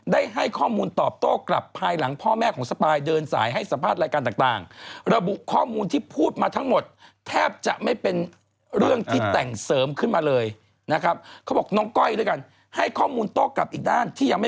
ได้ให้ข้อมูลตอบโต้กลับภายหลังพ่อแม่ของสปายเดินสายให้สัมภาษณ์รายการต่าง